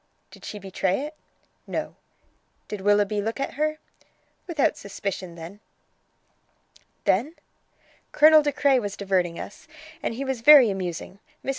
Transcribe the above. "Did she betray it?" "No." "Did Willoughby look at her?" "Without suspicion then." "Then?" "Colonel De Craye was diverting us, and he was very amusing. Mrs.